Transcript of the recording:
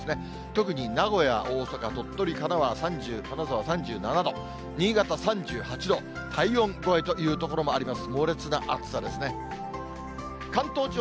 特に名古屋、大阪、鳥取、神奈川、、金沢３７度、新潟３８度、体温超えという所もあります。